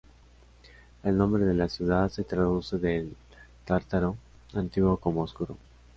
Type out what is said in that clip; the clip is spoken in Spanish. El nombre de la ciudad se traduce del tártaro antiguo como "oscuro".